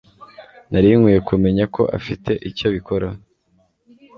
Nari nkwiye kumenya ko afite icyo abikoraho.